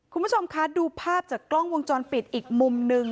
คุณผู้ชมคะดูภาพจากกล้องวงจรปิดอีกมุมหนึ่ง